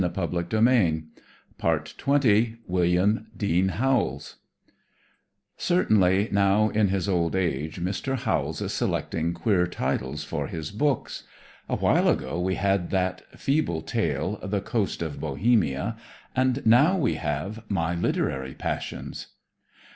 The Home Monthly, May 1897 William Dean Howells Certainly now in his old age Mr. Howells is selecting queer titles for his books. A while ago we had that feeble tale, "The Coast of Bohemia," and now we have "My Literary Passions."